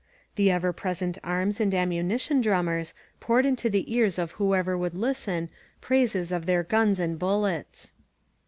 The ever present arms and ammunition drummers poured into the ears of whoever would listen, praises of their guns and bullets.